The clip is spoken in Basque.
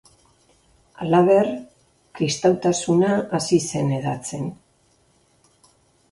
Halaber, kristautasuna hasi zen hedatzen.